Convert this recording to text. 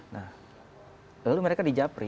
nah lalu mereka di japri